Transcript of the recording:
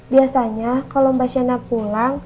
biasanya kalau mbak shana pulang